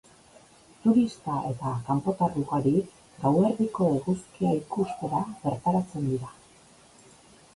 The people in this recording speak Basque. Turista eta kanpotar ugari gauerdiko eguzkia ikustera bertaratzen dira.